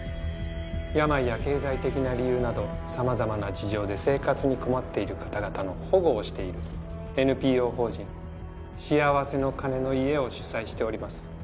病や経済的な理由など様々な事情で生活に困っている方々の保護をしているＮＰＯ法人「しあわせの鐘の家」を主宰しております。